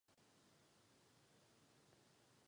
Na tato témata publikoval řadu článků v různých periodikách.